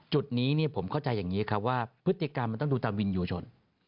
จุดนี้ผมเข้าใจอย่างนี้ครับว่าพฤติกรรมมันต้องดูตามวินยูชน